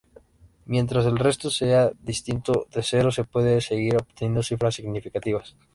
Mientras el resto sea distinto de cero se puede seguir obteniendo cifras significativas.